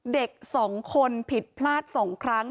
เด็กสองคนผิดพลาดสองครั้ง